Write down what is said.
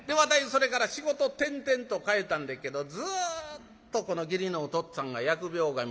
それから仕事転々と変えたんでっけどずっとこの義理のおとっつぁんが疫病神で給金取りに来よりまんねん。